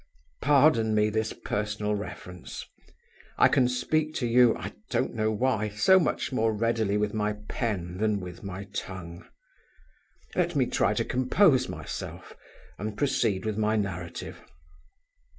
Pardon me this personal reference. I can speak to you (I don't know why) so much more readily with my pen than with my tongue. "Let me try to compose myself, and proceed with my narrative.